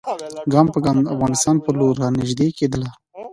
ګام په ګام د افغانستان پر لور را نیژدې کېدله.